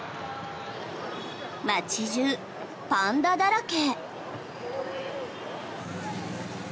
街中、パンダだらけ。